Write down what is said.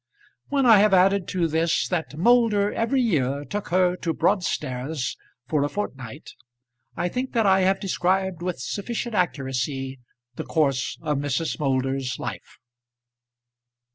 When I have added to this that Moulder every year took her to Broadstairs for a fortnight, I think that I have described with sufficient accuracy the course of Mrs. Moulder's life.